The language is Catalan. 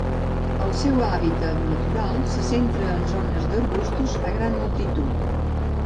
El seu hàbitat natural se centra en zones d'arbustos a gran altitud.